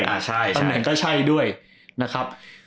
ตำแหน่งก็ใช่ด้วยนะครับ